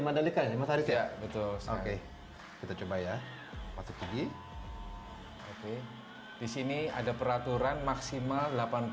mandalika di masarik ya betul oke kita coba ya masuk ke sini oke di sini ada peraturan maksimal